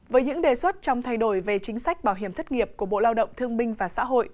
với những đề xuất trong thay đổi về chính sách bảo hiểm thất nghiệp của bộ lao động thương minh và xã hội